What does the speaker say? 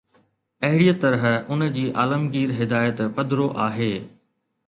اهڙيء طرح، ان جي عالمگير هدايت پڌرو آهي.